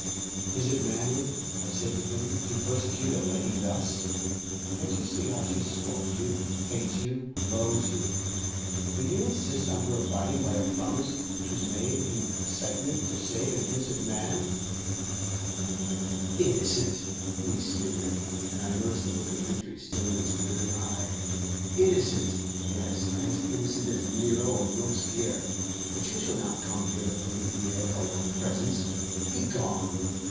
"Is it manly," I said to him, "to persecute a lady thus? Can't you see how she scorns you, hates you, loathes you? Will you insist on her abiding by a promise which was made in excitement to save an innocent man?" "Innocent!" he sneered, and I noticed a look of victory still in his glittering eye. "Innocent! Yes, as innocent as Nero or Robespierre; but you shall not come here to pollute the air by your presence. Begone!